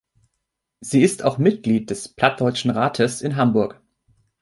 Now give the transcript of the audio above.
Sie ist auch Mitglied des „Plattdeutschen Rates“ in Hamburg.